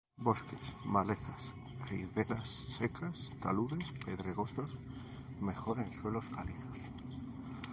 Bosques, malezas, riberas secas, taludes pedregosos, mejor en suelos calizos.